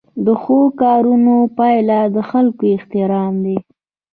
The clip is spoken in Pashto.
د ښو کارونو پایله د خلکو احترام دی.